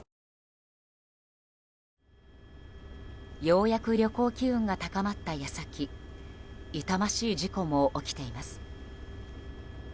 ようやく旅行機運が高まった矢先痛ましい事故も起きています。